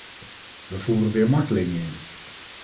We voeren weer martelingen in.